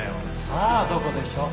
さあどこでしょう？